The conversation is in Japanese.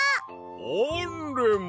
あんれま！